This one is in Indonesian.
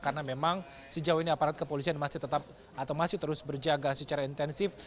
karena memang sejauh ini aparat kepolisian masih tetap atau masih terus berjaga secara intensif